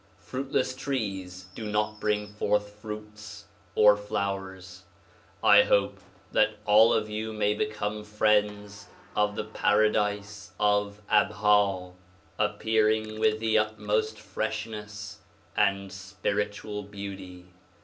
Fruitless trees do not bring forth fruits or flowers. I hope that all of you may become friends of the paradise of Abha, appearing with the utmost DISCOURSES DELIVERED IN NEW YORK 9 freshness and spiritual beauty.